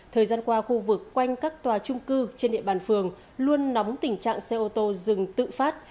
thời gian qua khu vực quanh các tòa trung cư trên địa bàn phường luôn nóng tình trạng xe ô tô dừng tự phát